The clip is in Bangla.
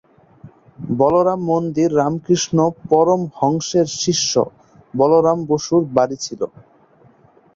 বলরাম মন্দির রামকৃষ্ণ পরমহংসের শিষ্য বলরাম বসুর বাড়ি ছিল।